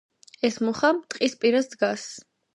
ეს მუხა ტყის პირას დგას.